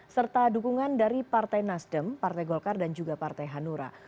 serta dukungan dari partai nasdem partai golkar dan juga partai hanura